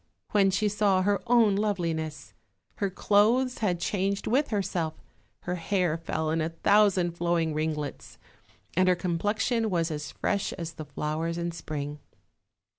when she saw her own loveliness. Her clothes had changed with herself; her hair fell in a thousand flowing ringlets, and her com plexion was as fresh as the flowers in spring.